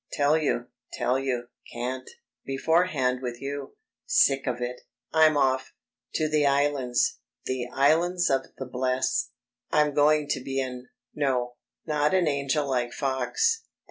Tell you ... tell you ... can't.... Beforehand with you ... sick of it.... I'm off ... to the Islands the Islands of the Blest.... I'm going to be an ... no, not an angel like Fox